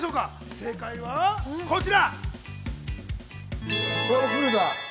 正解は、こちら。